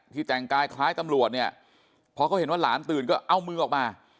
แต่งกายคล้ายตำรวจเนี่ยพอเขาเห็นว่าหลานตื่นก็เอามือออกมา